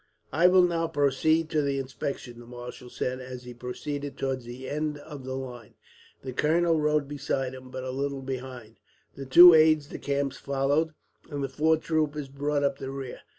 "I will now proceed to the inspection," the marshal said, and he proceeded towards the end of the line. The colonel rode beside him, but a little behind. The two aides de camp followed, and the four troopers brought up the rear.